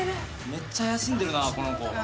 ・めっちゃ怪しんでるなこの子。